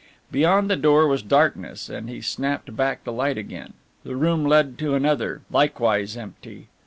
Beyond the door was darkness and he snapped back the light again. The room led to another, likewise empty.